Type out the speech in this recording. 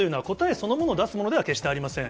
そのものを出すものでは決してありません。